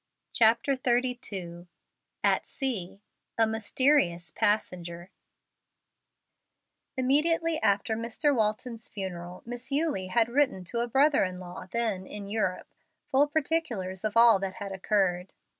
CHAPTER XXXII AT SEA A MYSTERIOUS PASSENGER Immediately after Mr. Walton's funeral Miss Eulie had written to a brother in law, then, in Europe, full particulars of all that had occurred.